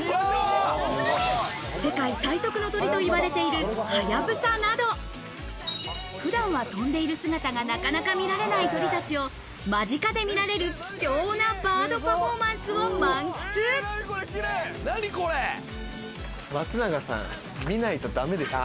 世界最速の鳥といわれているハヤブサなど、普段は飛んでいる姿がなかなか見られない鳥たちを間近で見られる、貴重なバードパフォ松永さん見ないとダメでしょ。